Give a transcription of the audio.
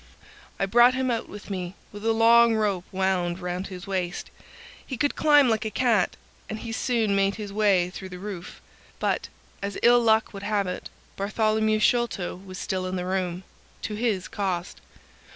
I brought him out with me with a long rope wound round his waist. He could climb like a cat, and he soon made his way through the roof, but, as ill luck would have it, Bartholomew Sholto was still in the room, to his cost.